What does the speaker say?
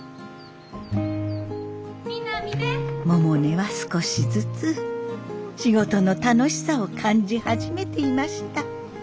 百音は少しずつ仕事の楽しさを感じ始めていました。